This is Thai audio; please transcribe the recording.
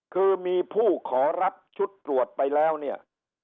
คือมีผู้ขอรับชุดตรวจไปแล้วเนี่ย